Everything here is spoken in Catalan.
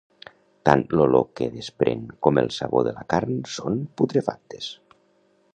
Tant l'olor que desprèn com el sabor de la carn són putrefactes